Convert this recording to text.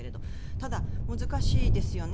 ただ、難しいですよね。